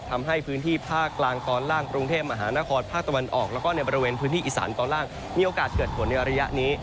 ทำให้พื้นที่ภาคกลางตอนล่างกรุงเทพมหานครภาคตะวันออกแล้วก็ในบริเวณพื้นที่อีสานตอนล่างมีโอกาสเกิดฝนในระยะนี้